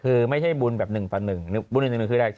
คือไม่ใช่บุณแบบ๑ประ๑